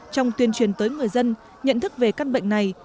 trong tuyên truyền tới người dân nhận thức về căn bệnh này